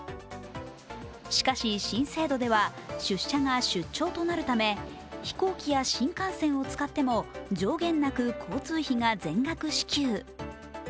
しかし、新制度では出社が出張となるため飛行機や新幹線を使っても上限なく交通費が全額支給。